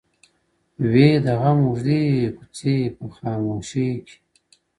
وي د غم اوږدې كوڅې په خامـوشۍ كي”